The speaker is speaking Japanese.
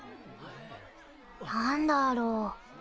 何だろう？